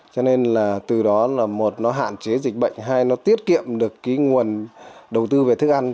cho nên là từ đó là một nó hạn chế dịch bệnh hai nó tiết kiệm được cái nguồn đầu tư về thức ăn